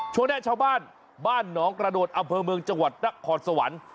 ช่วงหน้าชาวบ้านบ้านหนองกระโดดอำเภอเมืองจังหวัดนครสวรรค์